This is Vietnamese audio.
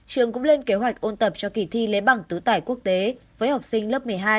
trường cũng lên kế hoạch ôn tập cho kỳ thi lấy bằng tứ tải quốc tế với học sinh lớp một mươi hai